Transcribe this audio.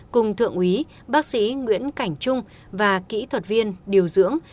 cùng thượng úy bác sĩ nguyễn cảnh trung và kỹ thuật viên điều dưỡng